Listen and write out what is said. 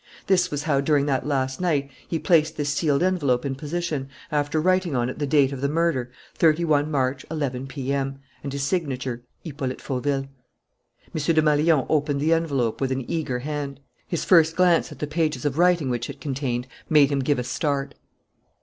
This was how, during that last night, he placed this sealed envelope in position, after writing on it the date of the murder, '31 March, 11 P.M.,' and his signature, 'Hippolyte Fauville.'" M. Desmalions opened the envelope with an eager hand. His first glance at the pages of writing which it contained made him give a start.